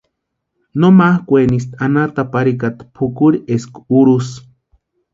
No makʼuniesti anhatapu arhikata pʼukuri eska urhusï.